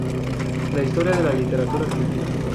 La historia de la literatura argentina".